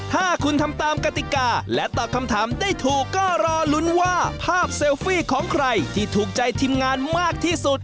ถ้าคุณทำตามกติกาและตอบคำถามได้ถูกก็รอลุ้นว่าภาพเซลฟี่ของใครที่ถูกใจทีมงานมากที่สุด